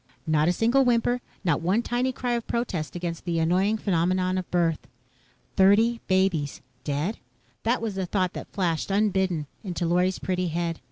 Not a single whimper. Not one tiny cry of protest against the annoying phenomenon of birth. Thirty babies dead? That was the thought that flashed, unbidden, into Lorry's pretty head.